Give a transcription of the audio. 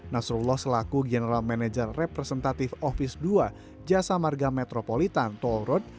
nasrullah selaku general manager representatif ofis dua jasa marga metropolitan toll road